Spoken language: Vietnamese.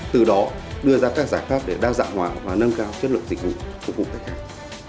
từ đó đưa ra các giải pháp để đa dạng hoạt và nâng cao chất lượng dịch vụ của khách hàng